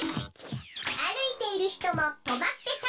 あるいているひともとまってさ